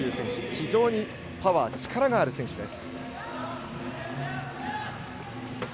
非常にパワー、力がある選手です。